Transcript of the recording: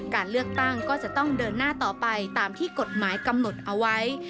การเลือกตั้งก็จะต้องเดินหน้าต่อไปตามที่กฎหมายกำหนดเอาไว้